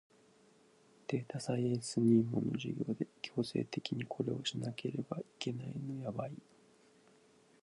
データサイエンス入門の授業で強制的にこれをしなければいけないのやばい